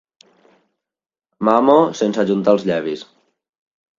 Mamo sense ajuntar els llavis.